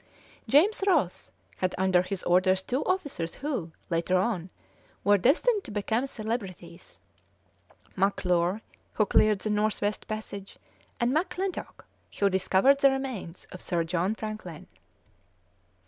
James Ross had under his orders two officers who, later on, were destined to become celebrities McClure, who cleared the North West passage, and McClintock, who discovered the remains of Sir John Franklin."